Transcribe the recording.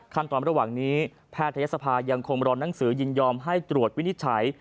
ระหว่างนี้แพทยศภายังคงรอนังสือยินยอมให้ตรวจวินิจฉัย